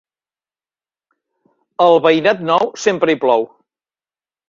Al Veïnat Nou sempre hi plou.